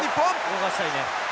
動かしたいね。